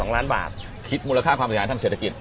๒ล้านบาทคิดมูลค่าความเสียหายทางเศรษฐกิจ